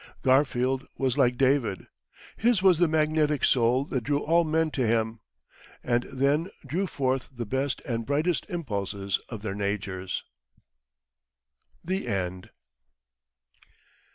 Garfield was like David. His was the magnetic soul that drew all men to him, and then drew forth the best and brightest impulses of their natures. THE END.